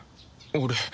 俺